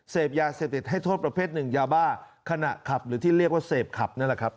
เสพยาเสพติดให้โทษประเภทหนึ่งยาบ้าขณะขับหรือที่เรียกว่าเสพขับนั่นแหละครับ